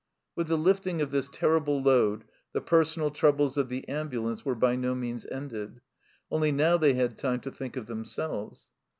With the lifting of this terrible load the personal troubles of the ambulance were by no means ended, only now they had time to think of themselves.